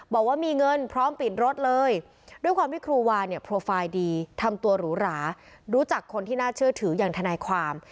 บอกว่ามีเงินพร้อมปิดรถเลยด้วยความที่ครูวาเนี่ยโปรไฟล์ดีทำตัวหรูหรารู้จักคนที่น่าเชื่อถืออย่างทนายความ